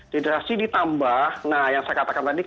dehidrasi ditambah nah yang saya katakan tadi